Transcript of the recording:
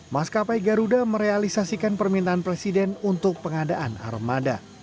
maskapai garuda merealisasikan permintaan presiden untuk pengadaan armada